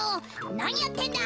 「なにやってんだ。